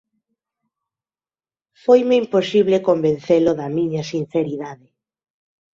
Foime imposible convencelo da miña sinceridade.